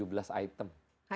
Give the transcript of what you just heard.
hanya tujuh belas item